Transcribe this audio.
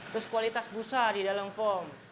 terus kualitas busa di dalam form